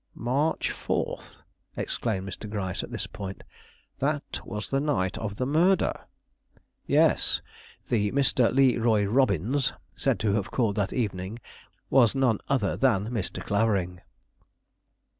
_" "March 4th?" exclaimed Mr. Gryce at this point. "That was the night of the murder." "Yes; the Mr. Le Roy Robbins said to have called that evening was none other than Mr. Clavering."